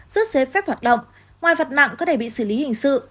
rút dế phép hoạt động ngoài vật nặng có thể bị xử lý hình sự